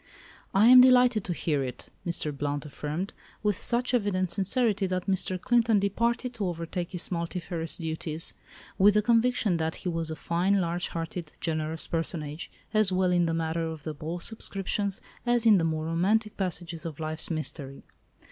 "I am delighted to hear it," Mr. Blount affirmed, with such evident sincerity that Mr. Clinton departed to overtake his multifarious duties, with the conviction that he was a fine, large hearted, generous personage, as well in the matter of ball subscriptions as in the more romantic passages of life's mystery.